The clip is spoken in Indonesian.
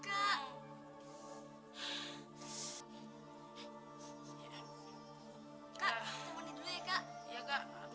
kak aku mandi dulu ya kak